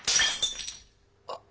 あっ。